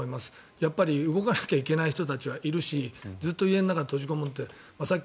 やっぱり動かなければいけない人はいるしずっと家の中に閉じこもって。